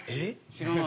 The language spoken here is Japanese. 知らない。